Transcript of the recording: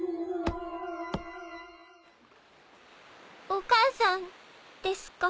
お母さんですか？